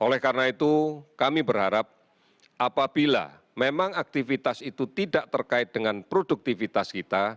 oleh karena itu kami berharap apabila memang aktivitas itu tidak terkait dengan produktivitas kita